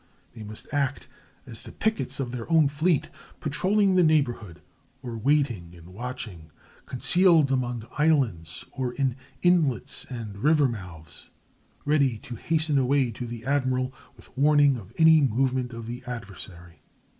They must act as the pickets of their own fleet, patrolling the neighborhood, or waiting and watching, concealed among islands or in inlets and river mouths, ready to hasten away to the admiral with warning of any movement of the adversary.